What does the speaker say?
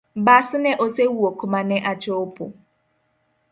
Bas ne osewuok mane achopo